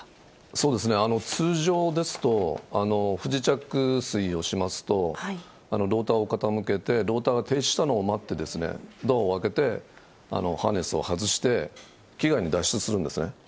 そうですね、通常ですと、不時着水をしますと、ローターを傾けて、ローターが停止したのを待って、ドアを開けて、ハーネスを外して、機外に脱出するんですね。